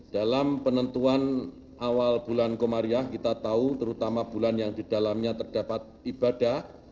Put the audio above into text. dalam penentuan awal bulan komariah kita tahu terutama bulan yang didalamnya terdapat ibadah